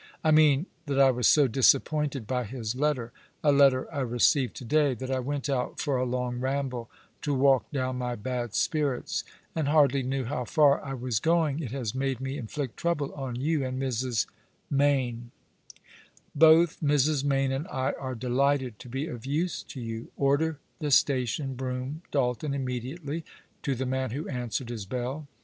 " I mean that I was so disappointed by his letter — a letter I received to day — that I went out for a long ramble to walk down my bad spirits, and hardly knew how far I was going. It has made me inflict trouble on you, and Mrs. "" Mayne. Both Mrs. Mayne and I are delighted to be of use to you. Order the station brougham, Dalton, immedi ately," to the man who answered his bell.